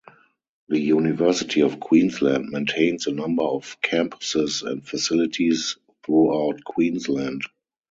The University of Queensland maintains a number of campuses and facilities throughout Queensland.